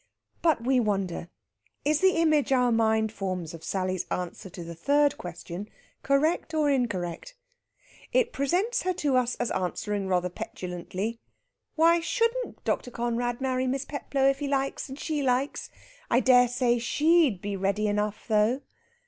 But we wonder, is the image our mind forms of Sally's answer to the third question correct or incorrect? It presents her to us as answering rather petulantly: "Why shouldn't Dr. Conrad marry Miss Peplow, if he likes, and she likes? I dare say she'd be ready enough, though!"